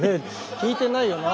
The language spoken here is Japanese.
引いてないよな？